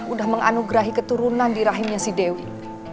udah menganugerahi keturunan di rahimnya si dewi